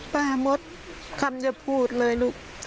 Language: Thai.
หมดคำจะพูดเลยลูก